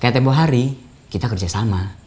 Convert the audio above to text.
kayak tembok hari kita kerja sama